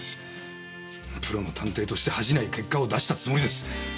プロの探偵として恥じない結果を出したつもりです。